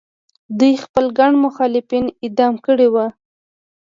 دوی خپل ګڼ مخالفین اعدام کړي وو.